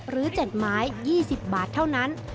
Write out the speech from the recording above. หรือ๗ไม้๒๐บาทเท่านั้น